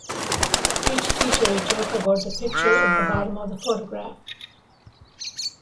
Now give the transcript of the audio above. Each feature a joke about the picture at the bottom of the photograph.